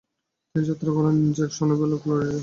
তিনি যাত্রা করেন জ্যাকসনভিলে, ফ্লোরিডা।